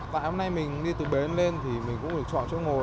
và hôm nay mình đi từ bến lên thì mình cũng phải chọn chỗ ngồi